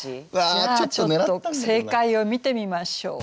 じゃあちょっと正解を見てみましょう。